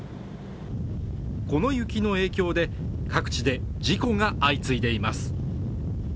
この雪の影響で各地で事故が相次いでいます。